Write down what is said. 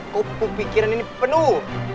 kok kepikiran ini penuh